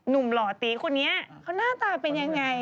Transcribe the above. หล่อตีคนนี้เขาหน้าตาเป็นยังไง